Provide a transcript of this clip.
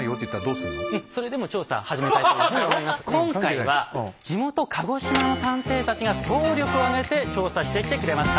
今回は地元鹿児島の探偵たちが総力を挙げて調査してきてくれました。